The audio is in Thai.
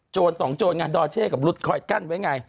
สองโจรไงดอเช่กับรุ๊ดคอยกั้นไว้ไง